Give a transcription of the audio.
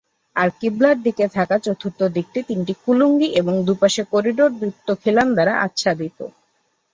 আর "কিবলা"র দিকে থাকা চতুর্থ দিকটি তিনটি কুলুঙ্গি এবং দুপাশে করিডোর যুক্ত খিলান দ্বারা আচ্ছাদিত।